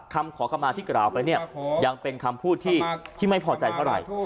คำขอขมาที่กล่าวไปเนี่ยยังเป็นคำพูดที่ไม่พอใจเท่าไหร่